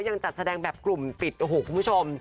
จัดแสดงแบบกลุ่มปิดโอ้โหคุณผู้ชม